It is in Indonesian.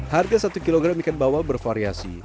harga satu kilogram ikan bawang bervariasi